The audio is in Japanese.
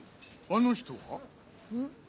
あの人は？ん？